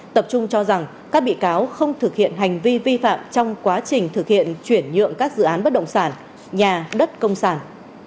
tập trung cho rằng các bị cáo không thực hiện hành vi vi phạm trong quá trình thực hiện chuyển nhượng các dự án bất động sản nhà đất công sản